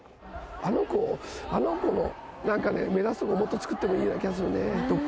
あの子、あの子、なんかね、目立つところ、もっと作ってもいいような気がするね、どこか。